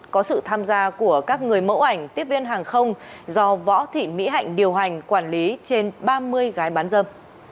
có sự tham gia của các người mẫu ảnh tiếp viên hàng không do võ thị mỹ hạnh điều hành quản lý trên ba mươi gái bán dâm